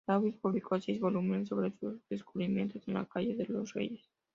Davis publicó seis volúmenes sobre sus descubrimientos en el Valle de los Reyes.